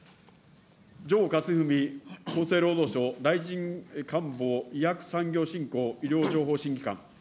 城克文厚生労働省大臣官房医薬産業振興・医療情報審議官。